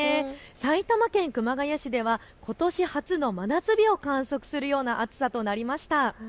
埼玉県熊谷市ではことし初の真夏日を観測するような暑さとなりました。